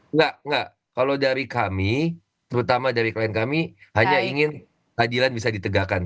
enggak enggak kalau dari kami terutama dari klien kami hanya ingin keadilan bisa ditegakkan